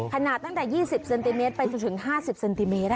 ขนาดตั้งแต่๒๐เซนติเมตรไปจนถึง๕๐เซนติเมตร